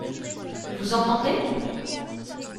Vous entendez ?